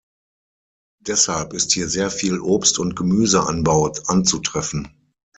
Deshalb ist hier sehr viel Obst- und Gemüseanbau anzutreffen.